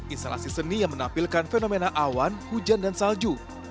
instalasi seni yang menampilkan fenomena awan hujan dan salju